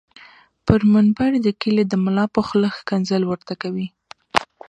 پر منبر د کلي دملا په خوله ښکنځل ورته کوي